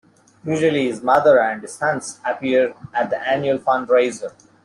Usually, his mother and his sons appear at the annual fund-raiser.